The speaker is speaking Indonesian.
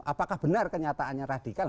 apakah benar kenyataannya radikal